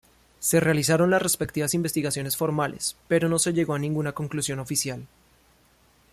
Se realizaron las respectivas investigaciones formales, pero no se llegó a ninguna conclusión oficial.